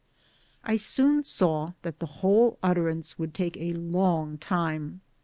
\ I soon saw that the whole utterance would take a long time.